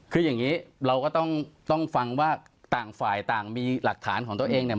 คืออย่างนี้เราก็ต้องฟังว่าต่างฝ่ายต่างมีหลักฐานของตัวเองเนี่ย